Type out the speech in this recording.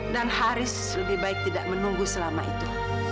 dan haris lebih baik tidak menunggu selama itu